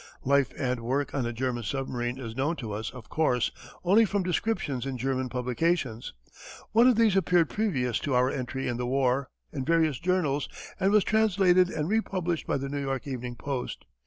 Life and work on a German submarine is known to us, of course, only from descriptions in German publications. One of these appeared, previous to our entry in the war, in various journals and was translated and republished by the New York Evening Post.